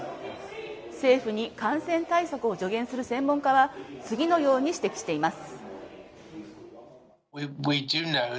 政府に感染対策を助言する専門家は次のように指摘しています。